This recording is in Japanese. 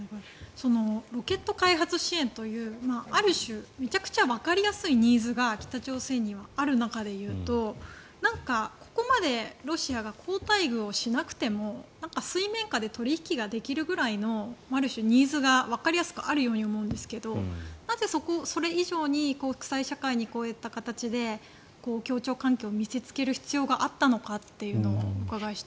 ロケット開発支援というある種、めちゃくちゃわかりやすいニーズが北朝鮮にはある中でいうとここまでロシアが好待遇をしなくても水面下で取引ができるぐらいのある種、ニーズがわかりやすくあるように思うんですけどなぜそれ以上に国際社会にこういった形で協調関係を見せつける必要があったのかをお伺いしたい。